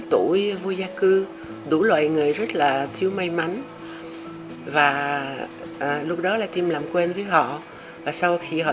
tuổi vô gia cư đủ loại người rất là thiếu may mắn và lúc đó là team làm quên với họ và sau khi họ